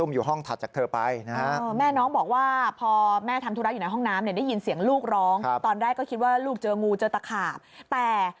มีแล้วตอนเจอเข้าไปกับแม่เนี่ยเข้าไปพร้อมกันนะวาก่อนแรกเลยแล้วเธอได้เอาไปเข้าห้องตรงกลาง